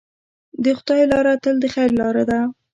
د خدای لاره تل د خیر لاره ده.